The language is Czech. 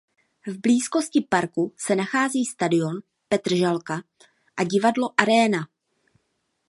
V blízkosti parku se nachází stadion Petržalka a divadlo Aréna.